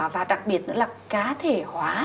và đặc biệt nữa là cá thể hóa